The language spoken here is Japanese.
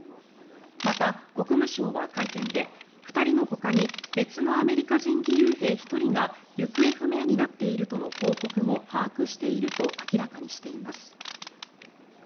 また、国務省は会見で２人のほかに別のアメリカ人義勇兵１人が行方不明になっているとの報告も把握していると明らかにしています。